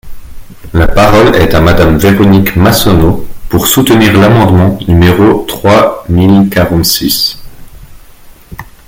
La parole est à Madame Véronique Massonneau, pour soutenir l’amendement numéro trois mille quarante-six.